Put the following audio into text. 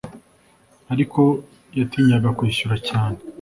Ariko yatinyaga kwishyura cyane